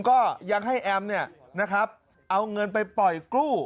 ก็ยังให้แอมม์เนี่ยนะครับเอาเงินไปปล่อยกู้